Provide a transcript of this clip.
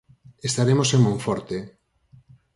Estaremos en Monforte.